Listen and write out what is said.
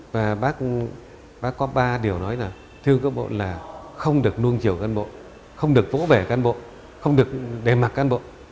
và bác có ba điều nói là thưa quân bộ là không được nuông chiều cán bộ không được vỗ vẻ cán bộ không được đề mặt cán bộ